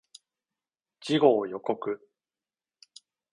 次号予告